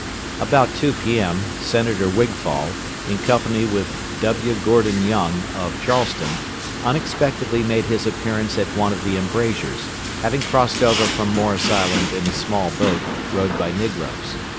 About 2 P.M., Senator Wigfall, in company with W. Gourdin Young, of Charleston, unexpectedly made his appearance at one of the embrasures, having crossed over from Morris Island in a small boat, rowed by negroes.